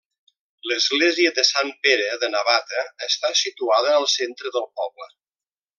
L'església de Sant Pere de Navata està situada al centre del poble.